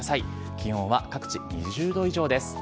気温は各地２０度以上です。